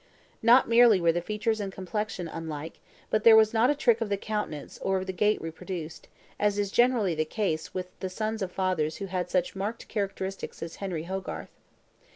Not merely were the features and complexion unlike, but there was not a trick of the countenance or of the gait reproduced, as is generally the case with the sons of fathers who had such marked characteristics as Henry Hogarth.